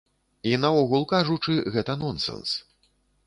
І наогул кажучы, гэта нонсэнс.